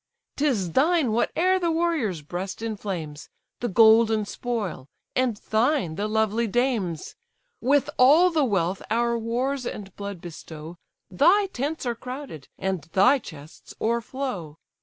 'Tis thine whate'er the warrior's breast inflames, The golden spoil, and thine the lovely dames. With all the wealth our wars and blood bestow, Thy tents are crowded and thy chests o'erflow.